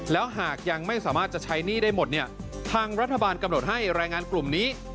แล้วหากยังไม่สามารถจะใช้หนี้ได้หมดเนี่ยทางรัฐบาลกำหนดให้แรงงานกลุ่มนี้